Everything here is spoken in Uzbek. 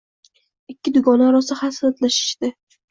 Ikki dugona rosa hasratlashishdi